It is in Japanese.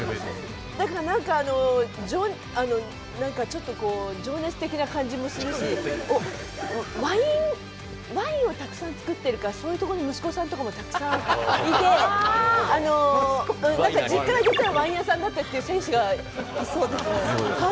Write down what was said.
だから何かちょっとこう情熱的な感じもするしワインをたくさん造ってるからそういうところの息子さんとかもたくさんいて実家は実はワイン屋さんだったりっていう選手がいそうですね。